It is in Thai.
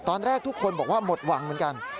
ตอนแรกทุกคนบอกว่าหมดหวังเหมือนกัน